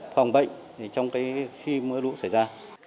phòng bệnh trong khi mưa rút xảy ra